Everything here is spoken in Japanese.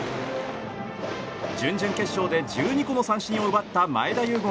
準々決勝で１２個の三振を奪った前田悠